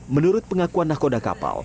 menurut pengakuan nakoda kapal